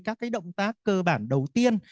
các cái động tác cơ bản đầu tiên